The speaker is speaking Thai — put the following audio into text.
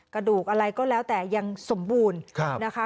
กระดูกอะไรก็แล้วแต่ยังสมบูรณ์นะคะ